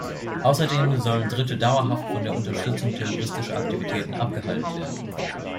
Außerdem sollen Dritte dauerhaft von der Unterstützung terroristischer Aktivitäten abgehalten werden.